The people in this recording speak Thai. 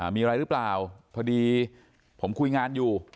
มีอะไรหรือเปล่าพอดีผมคุยงานอยู่